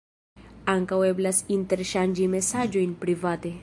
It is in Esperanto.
Ankaŭ eblas interŝanĝi mesaĝojn private.